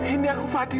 ini aku fadil